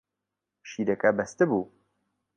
شیرەکە بەستبوو.